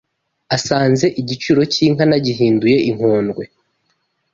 Asanze igiciro cy, inka nagihinduye inkondwe